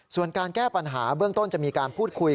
ส่วนการแก้ปัญหาเบื้องต้นจะมีการพูดคุย